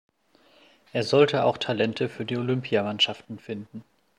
Er sollte auch Talente für die Olympiamannschaft finden.